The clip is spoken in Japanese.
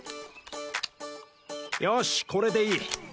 よしこれでいい。